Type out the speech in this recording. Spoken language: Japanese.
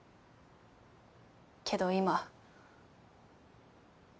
けど今。